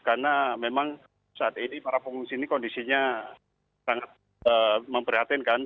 karena memang saat ini para pengungsi ini kondisinya sangat memperhatinkan